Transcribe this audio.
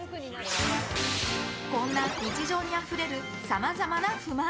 こんな日常にあふれるさまざまな不満。